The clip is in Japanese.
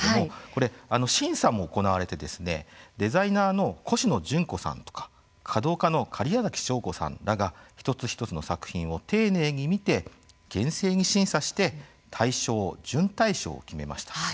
これ、審査も行われてですねデザイナーのコシノジュンコさんとか華道家の假屋崎省吾さんらが一つ一つの作品を丁寧に見て厳正に審査して大賞、準大賞を決めました。